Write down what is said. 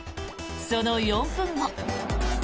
その４分後。